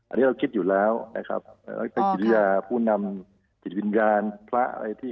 อันนี้เราคิดอยู่แล้วติดวินการพระที่ที